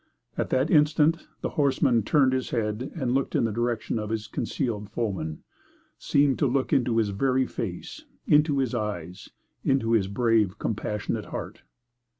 At that instant the horseman turned his head and looked in the direction of his concealed foeman seemed to look into his very face, into his eyes, into his brave, compassionate heart.